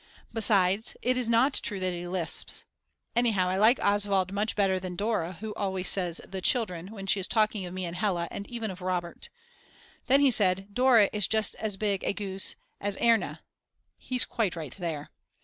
Besides, it is not true that he lisps. Anyhow I like Oswald much better than Dora who always says "the children" when she is talking of me and of Hella and even of Robert. Then he said: Dora is just as big a goose as Erna. He's quite right there.